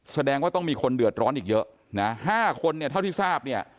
แสดงว่าต้องมีคนเดือดร้อนอีกเยอะนะ๕คนเนี่ยเท่าที่ทราบเนี่ย